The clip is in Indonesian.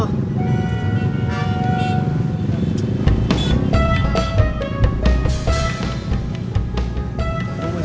tunggu masih kurang mulai ya